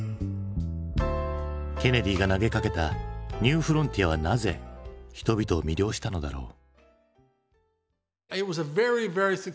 ケネディが投げかけたニューフロンティアはなぜ人々を魅了したのだろう？